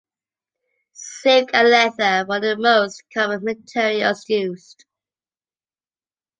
Silk and leather were the most common materials used.